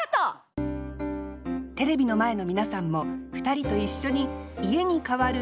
テレビの前の皆さんも２人と一緒に「家」に代わる